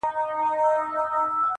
دا حق هم ترې اخلې